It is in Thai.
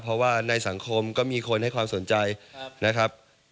เพราะว่าในสังคมก็มีคนให้ความสนใจนะครับ